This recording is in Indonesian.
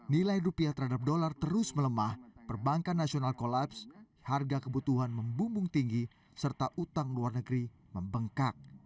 nilai rupiah terhadap dolar terus melemah perbankan nasional kolaps harga kebutuhan membumbung tinggi serta utang luar negeri membengkak